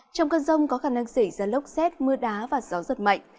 trong cơn rông có khả năng xảy ra lốc xét mưa đá và gió giật mạnh